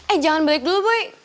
eh jangan balik dulu buy